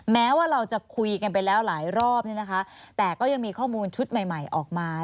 แม้ว่าเราจะคุยกันไปแล้วหลายรอบเนี่ยนะคะแต่ก็ยังมีข้อมูลชุดใหม่ใหม่ออกมา